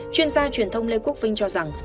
chuyên gia truyền thông lê quốc vinh cho rằng